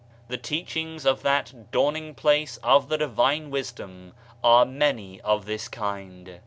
The teachings of that Dawning place of the divine wisdom are many of this kind.